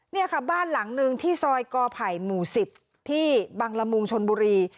นี่ค่ะบ้านหลังนึงที่ซอยกอไผ่หมู่๑๐ที่บังละมุงชนบุรี